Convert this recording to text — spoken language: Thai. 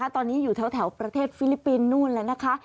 ตอนนี้อยู่แถวประเทศฟิลิปปินส์นู่นแล้วนะคะ